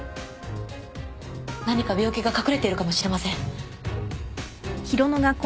何か病気が隠れているかもしれません。